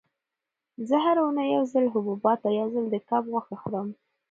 زه هره اونۍ یو ځل حبوبات او یو ځل د کب غوښه خورم.